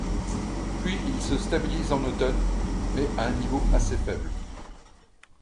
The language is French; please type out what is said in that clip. Puis il se stabilise en automne, mais à un niveau assez faible.